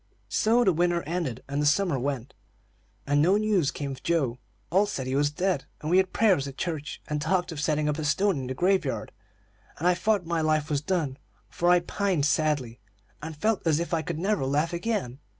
"So the winter ended, and the summer went, and no news came of Joe. All said he was dead, and we had prayers at church, and talked of setting up a stone in the grave yard, and I thought my life was done; for I pined sadly, and felt as if I could never laugh again.